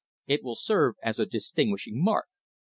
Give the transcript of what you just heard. "It will serve as a distinguishing mark."